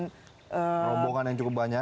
rombongan yang cukup banyak